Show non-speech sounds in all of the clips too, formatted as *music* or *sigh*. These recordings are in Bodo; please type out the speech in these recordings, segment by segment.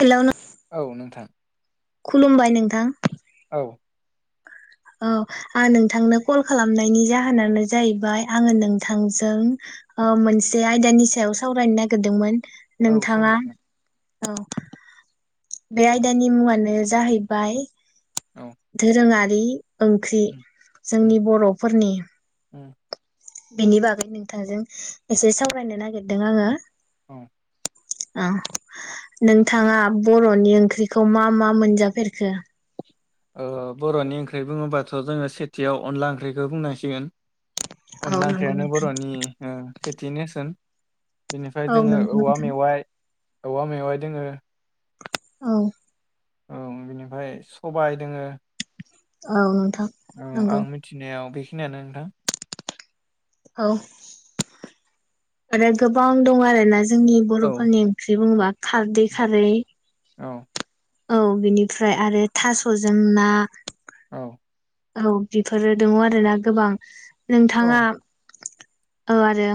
हेल' नोंथां औ नोंथां खुलुमबाय नोंथां औ औ आं नोंथांनो कल खालामनायनि जाहोनानो जाहैबाय आङो नोंथांजों मोनसे आयदानि सायाव सावरायनो नागिरदोंमोन औ नोंथाङा सावरायजागोन। औ बे आयदानि मुङानो जाहैबाय औ बि ओंख्रि उम उम जोंनि बर'फोरनि उम बेनि बागै नोंथांजों एसे सावरायनो नागिरदों आङो औ आ नोंथाङा बर'नि ओंख्रिफोरखौ मा मा मोनजाफेरखो? ओ बर'नि ओंख्रि बुङोबाथ' जोङो सेथियाव अनला ओंख्रिखौ बुंनांसिगोन। औ अनला नंगौ ओंख्रियानो नोंथां बर'नि ओं सेथिनोसोन। बेनिफ्राय औ जोङो नंगौ औवा नोंथां मेवाइ औवा मेवाइ दोङो। औ औ बिनिफ्राय सबाय दङो औ नोंथां नंगौ खिनियानो नोंथां। औ आरो गोबां दं आरोना जोंनि औ बर'फोरनि ओंख्रि बुङोबा खारदै खारै औ औ बिनिफ्राय आरो थास'जों ना औ औ बिफोरो दङ आरोना गोबां नोंथाङा औ औ आरो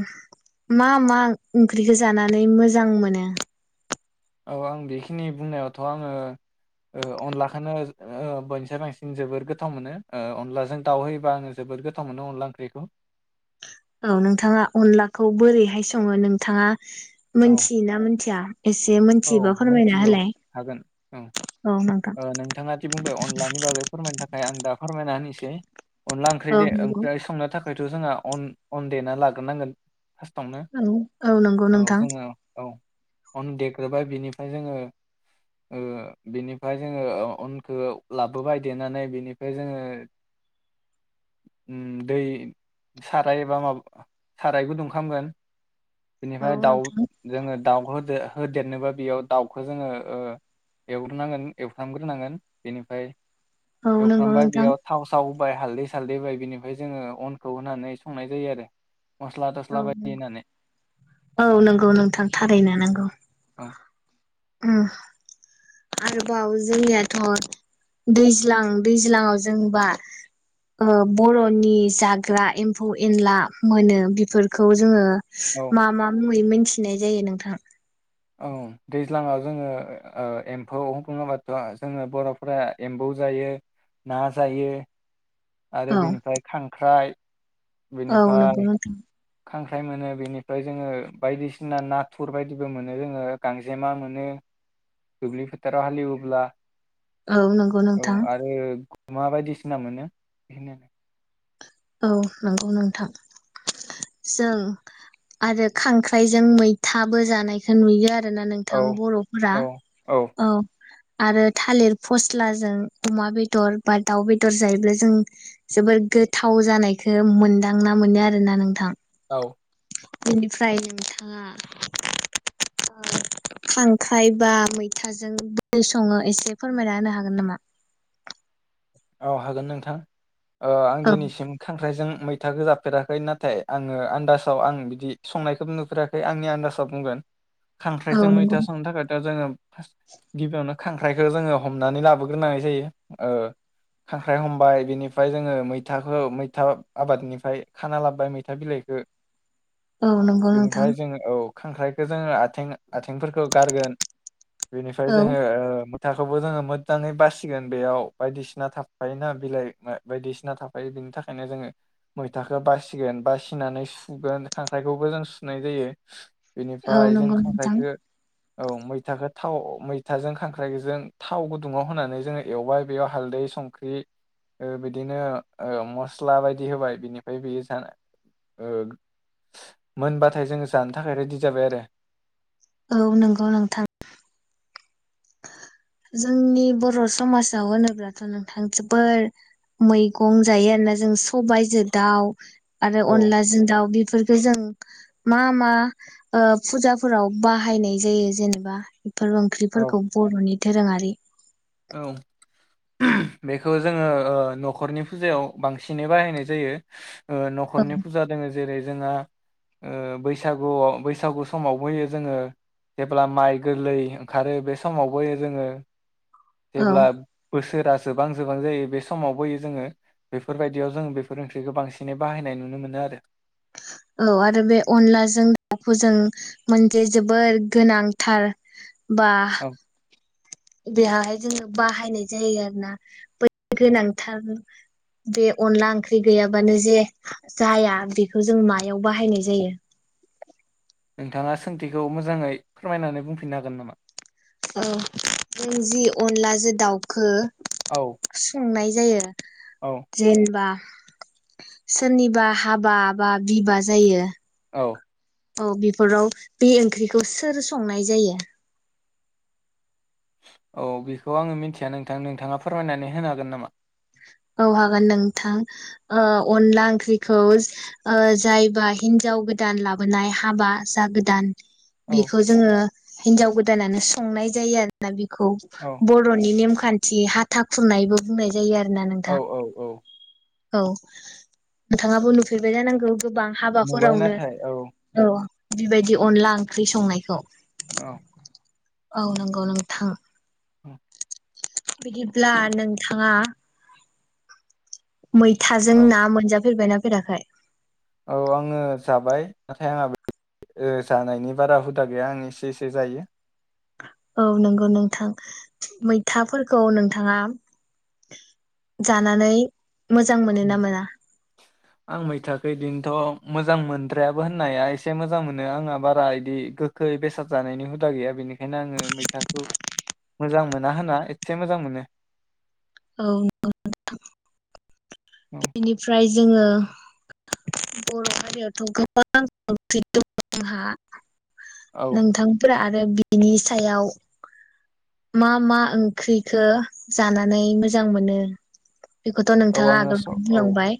मा मा ओंख्रिखौ जानानै मोजां मोनो? औ आं बेखिनि बुंनायावथ' आङो ओ अनलाखौनो ओ बयनिसाय बांसिन जोबोर गोथाव मोनो ओ अनलाजों दाउ होयोबा आङो जोबोर गोथाव मोनो अनला ओंख्रिखौ। औ नोंथाङा अनलाखौ बोरैहाय सङो नोंथाङा औ मोनथियो ना मोनथिया? एसे औ मोनथियोबा फोरमायना मिथिगौ होलाय हागोन औ औ नोंथां ओ नोंथाङादि बुंबाय अनलानि बागै फोरमायनो थाखाय आं दा फोरमायना होनोसै जै अनला ओंख्रै औ दे नंगौ ओंख्रै संनो थाख फायथ' जोंहा अन अन देना लाग्रोनांगोन फार्स्टआवनो औ औ नंगौ नोंथां औ अन देग्रोबाय बिनिफ्राय जोङो ओ बेनि ओमफाय जोङो अनखौ लाबोबाय देनानै बेनिफाय जोङो उम दै साराय बा माबा साराय गुदुं खालामगोन औ बेनिफ्राय दाउ नोंथां जोङो दाउखौ होदो होदेरनोबा बेयाव दाउखौ जोङो ओ एवग्रोनांगोन एवफ्रामग्रोनांगोन बेनिफ्राय औ नंगौ एवफ्रामबाय नोंथां बेयाव थाव साव फाय हालदै सालदै बाय बिनिफ्राय जोङो अनखौ होनानै संनाय जायो आरो मस्ला औ थस्ला नों बायदि होनानै औ नंगौ नोंथां थारैनो नांगौ औ उम आरोबाव जोंनियाथ' दैज्लां दैज्लङाव जोंबा ओ बर'नि जाग्रा एम्फौ एनला मोनो बेफोरखौ जोङो औ मा मा मुङै थिनाय जायो नोंथां औ दैज्लाङाव जोङो ओ एम्फौ बुङोब्लाथ' जोङो बर'फोरा एम्बौ जायो ना जायो आरो औ बेनिफ्राय खांख्राइ औ बेनिफ्राय नंगौ नोंथां। खांख्राइ मोनो बेनिफ्राय जोङो बायदिसिना नाथुर बायदिबो मोनो जोङो गांजेमा मोनो दुब्लि फोथाराव हालेवोब्ला औ नंगौ नोंथां। मा बायदिसिना मोनो बेखोनो औ नंगौ नोंथां जों आरो खांख्राइजों मैथाबो जानायखौ नुयो आ आरोना औ नोंथां बर'फोरा औ आरो थालेर फस्लाजों अमा बेदर बा दाउ बेदर जायोब्ला जों जोबोर गो थाव जानायखौ मोनदांना मोनो आरो ना नोंथां औ बेनिफ्राय नोंथांङा ओ खांख्राय बा मैथाजों ब सङो एसे फोरमायना होनो हागोन नामा? औ हागोन नोंथां ओ आं औ दिनैसिम खां ओमफ्राय जों मैथाखौ जाफेराखै नाथाय आङो आन्दाजाव आं बिदि संनायखौ नुफेराखै आंनि आन्दाजाव बुंगोन औ खांख्राइजों नंगौ मैथा संनो थाखायथ' जोङो गिबियावनो खांख्राइखौ जोङो हमनानै लाबोग्रोनाय जायो ओ खांख्राइ हमबाय बिनिफ्राय जोङो मैथाखौ मैथा आबादनिफ्राय खाना लाबोबाय मैथा बिलाइखो औ नंगौ नोंथां। खांख्राइखौ जोङो आथिं आथि फोरखौ गारगोन बेनिफ्राय औ जोङो ओ थाखौबो जोङो मोजाङै बासिगोन बेयाव बायदिसि सिना थाफायोना बिलाइ बायदिसिना थाफायो बिनि थाखायनो जोङो मैथाखौ बासिगोन बासिनानै सुगोन खांख्राइखौबो जों सुनाय जायो औ बिनिफाय जों नंगौ नोंथां खांख्राइखो औ मैथाखौ थाव मैथाजों खांख्राइजों थाव गुदुङाव होनानै जोङो एवबाय बेयाव हालदै संख्रि ओ बिदिनो मस्ला बायदि होबाय बिनिफाय बेयो ज ओ मोनबाथाय जोङो जानो थाखाय रेडि जाबाय आरो। औ नंगौ नोंथां। जोंनि बर' समाजाव होनोब्लाथ' नोंथां जोबोर मैगं जायो आरोना जों सबायजों दाउ आरो औ अनलाजों दाउ बि फोरखौ जों मा मा ओ फुजाफोराव बाहायनाय जायो जेनेबा बेफोर ओंख्रि औ खौ बर'नि दोरोङारि औ बेखौ जोङो ओ न'खरनि फुजायाव बांसिनै बाहायनाय जायो ओ औ न'खरनि फुजा दोङो जेरै जोंहा ओ बैसागुआव बैसागु समावबोयो जोङो जेब्ला माइ गोरलै ओंखारो बे समावबो जोङो औ जेब्ला बोसोरा जोबां जोबां जायो बे समावबोयो जोङो। बेफोरबायदियाव जों बेफोर ओंख्रिखौ बांसिनै बाहायनाय नुनो मोनो आरो। औ आरो बे अनलाजों दाउखो जों मोनसे जोबोर गोनांथार बा औ बेहाहाय जोङो बाहायनाय जायो आरो ना बै गोनांथार बे अनला ओंख्रि गैयाबानो जे जाया बे बेखौ जों मायाव बाहायनाय जायो। नोंथाङा सोंथिखौ मोजाङै फोरमायनानै बुंफिननो हागोन नामा? औ नों जि अनलाजों दाउखो औ सोंनाय जायो औ जेनेबा सोरनिबा हाबा बा बिबा जायो औ औ बेफोराव बे ओंख्रिखौ सोर संनाय जायो? औ बेखौ आङो मिथिया नोंथां नोंथाङा फोरमायनानै होनो हागोन नामा? औ हागोन नोंथां ओ अनला ओंख्रिखौ ओ जायबा हिन्जाव गोदान लाबोनाय हाबा जा गोदान औ बेखौ जोङो हिनजाव गोदानानो संनाय जायो आरोना बि खौ औ बर'नि नेमखान जि हाथा खुरनायबो बुंनाय जायो आरो औ औ औ औ नोंथाङाबो नुफेरबाय जानांगौ। गोबां नुबाय हाबाफोरावनो नाथाय औ औ बिबायदि अनला ओंख्रि संनायखौ औ औ नंगौ नोंथां अ' बिदिब्ला नोंथाङा? मैथाजों ना मोनजा फेरबायना? बेेराखाय? औ आङो जाबाय नाथाय आंहा ओ जानायनि बारा हुदा गैया आं एसे एसे जायो। औ नंगौ नोंथां मैथाफोरखौ नोंथाङा जानानै मोजां मोनो ना मोना? आं मैथाखो दिनथ' मोजां मोनद्रायाबो होननाया एसे मोजां मोनो। आंहा बारा इदि गोखै बेसाद जानायनि हुदा गैया बेनिखायनो आङो मैथाखौ मोजां मोना होनना एसे मोजां मोनो। औ नंगौ नोंथां औ बेनिफ्राय जोङो बर' हारियावथ' गोबां फैदों जोंहा औ नोंथांफोरा आरो बिनि सायाव मा मा ओंख्रिखो जानानै मोजां मोनो? बेखौथ' औ नोंथाङा आङो आगोल स औ बुंलांबाय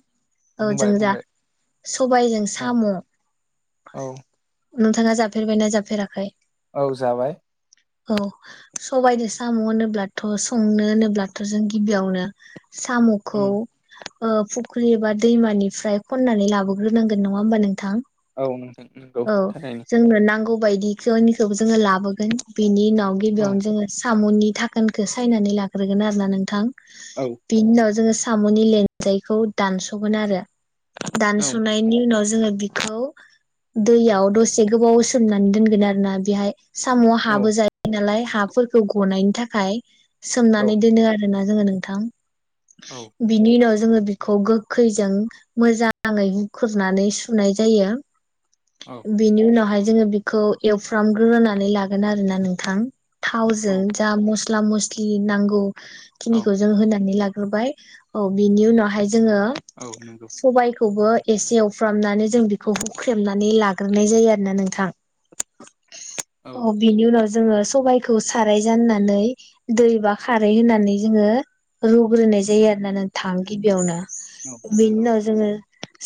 औ जों बुंबाय जा बुंबाय सबायजों औ साम' औ नोंथाङा जाफेरबायना जाफेराखै? औ जाबाय। औ सबायजों साम' होनोब्लाथ' संनो होनोब्लाथ' जों गिबियावनो उम साम'खौ ओ फुख्रि एबा दैमानिफ्राय खननानै लाबोग्रोनांगोन नङा होमबा नोंथां? औ नों-नोंगौ औ थारैनो। जोंनो नांगौ बायदिखौनिखौबो जोङो लाबोगोन बिनि उनाव औ गिबियावनो साम'नि धाखोनखो सायनानै लाग्रोगोन आरो ना नोंथां। औ बिनउनाव जोङो स साम'नि लेन्जायखौ दानस'गोन आरो। औ दानस'नायनि उनाव जोङो बि खौ दैयाव दसे गोबाव सोमनानै दोनगोन आरोना बेहाय साम'आ हाबो औ जायो नालाय। फोरखौ गनायनि थाखाय औ सोमनानै दोनो आरोना। जोङो नोंथां। बिनि उनाव जो जोङो बिखौ गोखैजों मोजाङै खुरनानै सुनाय जायो औ बिनि उनावहाय जोङो बेखौ एवफ्रामग्रोनानै लागोन आरो ना नोंथां थावजों औ जा मस मस्ला मस्लि नांगौ औ खिनिखौ जों होनानै लाग होबाय औ बिनि उनावहाय जोङो औ नंगौ सबायखौ खौबो एसे एवफ्रामनानै जों बेखौ हुख्रेमनानै लाग्रोनाय जायो आरोना नोंथां औ अ बिनि उनाव जो जोङो सबाय खौ साराय जाननानै दै बा खारै होनानै जोङो रुग्रोनाय जायो आरो ना नोंथां गिबियावनो बेनि नंगौ उनाव जोङो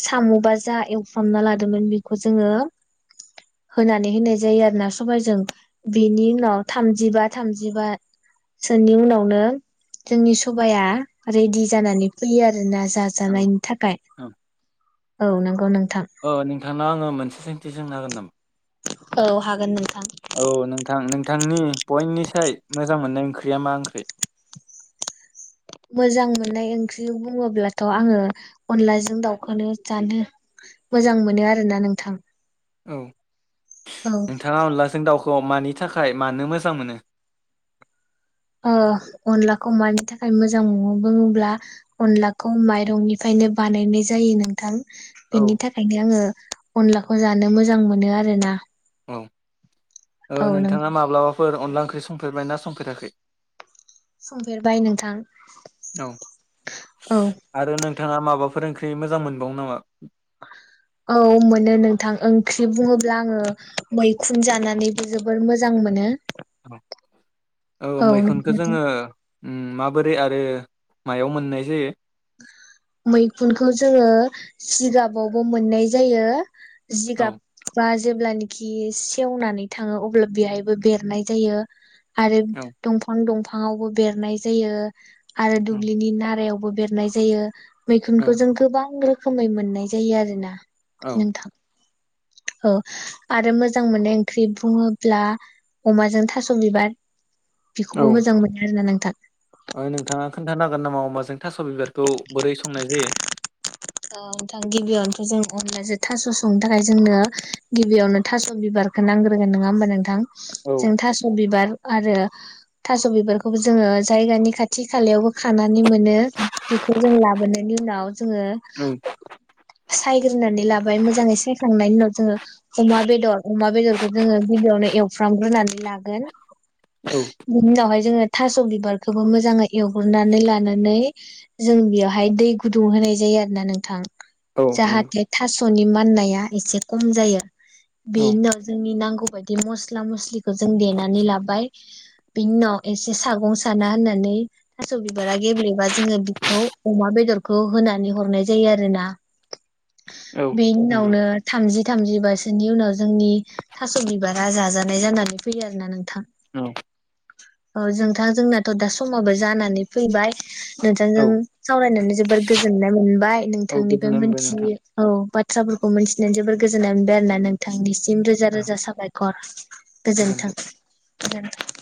साम बा जा एवफ्रामना लादोंमोन बेखौ जोङो होनानै होनाय जायो आरोना सबबायजों बेनि उनाव थामजिबा थामजिबासोनि उनावनो जोंनि सबाया रेडि जानानै फैयो आरो ना औ जाजानायनि थाखाय औ औ नंगौ नों अ नोंथांनाव आङो मोनसे सों थ जों नो हागोन नामा औ हागोन नोंथां औ नोंथां नोंथांनि बयनिसाय मोजां मोननाय ओंख्रिया मा ओंख्रि मोजां मोननाय ओंख्रि बुङोब्लाथ आङो अनलाजों दाउखौ जानो मोजां मोनो आरो ना नोंथां औ औ नोंथाङा अनलाजों दाउखौ मानि नि थाखाय मानो मोजां मोनो ओ अनलाखौ मानि थाखाय मोजां नो बुङोब्ला अनलाखौ माइरंनिफ्रायनो बानायनाय जायो नोंथां औ बिनि थाखायनो आङो अनलाखौ जानो मोजां मोनो आरो ना औ ओ नोंथाङा माब्लाबाफोर अनला ओंख्रि संफे फोरमायना समफेराखै संफेरबाय नोंथां औ थाङा माबाफोर ओंख्रि मोजां मोनबावनो नामा औ मोनो नोंथां ओंख्रि बुङोब्ला आङो मैखुन जानानैबो जोबोर मोजां मोनो औ औ मैखुनखौ जोङो उम माबोरै आरो मायाव मोननाय जायो मैखुनखौ जोङो सिगाबावबो मोननाय जायो औ जिगाबबा जेब्लानखि सेवनानै थाङो अब्ला बेहायबो बेरनाय जायो। आरो औ दंफां दंफां। बिफाङावबो बेरनाय जायो। आरो दुब्लिनि नारायाव। बेरनाय जायो। मैखुनखौ औ जों गोबां रोखोम। खोमै मोननाय जायो आरो ना। औ नोंथां। औ आरो मोजां मोननाय ओंख्रि बुङोब्ला अमाजों थास' बिबार। बेखौबो मोजां मोनो आरोना नों। था। अय नोंथाङा खोन नो नागोन नामा अमाजों। थास' बिबारखौ बोरै संनाय जायो? *inaudible* औ नोंथां गिबियावनोथ' जों अनलाजों थास' संनो थाखाय जोंनो गिबियावनो थास' बिबारखौ नांग्रोगोन नङा होमबा नोंथां? औ जों थास' बिबार आरो थास' बिबारखौबो जोङो जायगानि खाथि खालायावबो खानानै मोनो बेखौ जों लाबोनायनि उनाव जोङो औ सायग्रोनानै लाबाय मोजाङै सायखांनायनि उनाव जोङो अमा बेदर अमा बेदरखौ जोङो गिबियावनो एवफ्रामग्रोनानै लागोन औ बिनि उनावहाय जोङो थास' बिबारखौबो मोजाङै एवग्रोनानै लानानै जों बेयावहाय दै गुदुं होनाय जायो आरो ना नोंथां औ नंगौ जाहाथे थास'नि माननाया एसे खम जायो औ बेनि उनाव जोंनि नांगौ बायदि मस्ला मस्लिखौ जों देनानै लाबाय बेनि उनाव एसे सागं साना होननानै थास' बिबारा गेब्लेबा जोङो बेखौ अमा बेदरखौ होनानै हरनाय जायो। जायो आरोना औ बेनि नंगौ उनावनो थामजि थामजि बासोनि उनाव जोंनि थास' बिबारा जाजानाय जानानै फैयो आरो ना नोंथां औ औ जोंथां जोंनाथ' दा समाबो जानानै फैबाय नोंथांजों औ सावरायनानै जोबोर गोजोननाय मोनबाय। औ नोंथांनिफ्राइ गोजोननाय मोनबाय नोंथां मोनथियो औ बाद बाथ्राफोरखौ मिन्थिनाय जोबोर गोजोन्नाय मोनबाय आरोना नोंथांनिसिम रोजा औ रोजा साबायखर। गोजोन्थों गोजोन्थों।